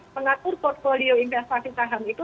mengatur portfolio investasi saham itu